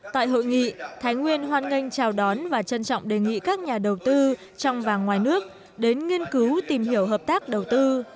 tại hội nghị thái nguyên hoan nghênh chào đón và trân trọng đề nghị các nhà đầu tư trong và ngoài nước đến nghiên cứu tìm hiểu hợp tác đầu tư